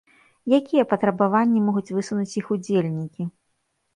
Якія патрабаванні могуць высунуць іх удзельнікі?